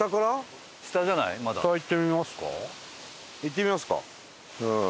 下行ってみますか？